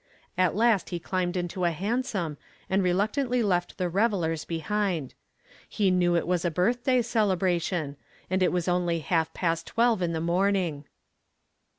At last he climbed into a hansom and reluctantly left the revelers behind. He knew it was a birthday celebration, and it was only half past twelve in the morning.